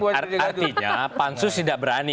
artinya pansu tidak berani